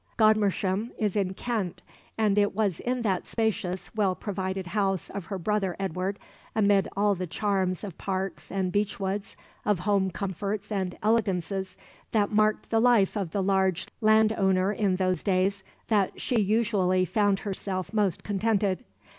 Godmersham is in Kent, and it was in that spacious, well provided house of her brother Edward, amid all the charms of parks and beechwoods, of home comforts and "elegances" that marked the life of the large landowner in those days, that she usually found herself most contented.